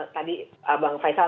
tadi abang faisal